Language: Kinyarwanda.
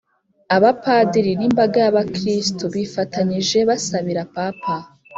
abapadiri n’imbaga y’abakristu, bifatanyije basabira papa